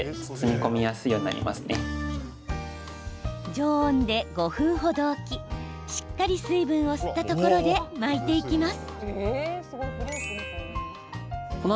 常温で５分程置きしっかり水分を吸ったところで巻いていきます。